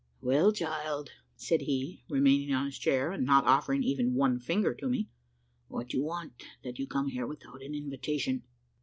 "Well, child," said he, remaining on his chair, and not offering even one finger to me, "what do you want, that you come here without an invitation?"